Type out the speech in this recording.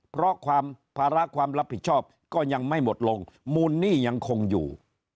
เพราะความภาระความรับผิดชอบก็ยังไม่หมดลงมูลหนี้ยังคงอยู่